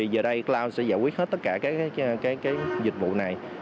giờ đây cloud sẽ giải quyết hết tất cả các dịch vụ này